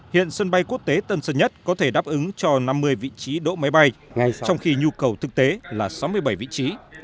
hiện sân bay quốc tế tân sơn nhất có thể đáp ứng cho năm mươi vị trí đỗ máy bay ngay trong khi nhu cầu thực tế là sáu mươi bảy vị trí